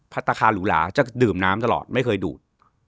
พัฒนาคาหรูหลาจะดื่มน้ำตลอดไม่เคยดูด